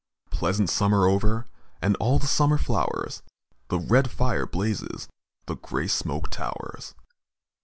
Pleasant summer over And all the summer flowers, The red fire blazes, The grey smoke towers.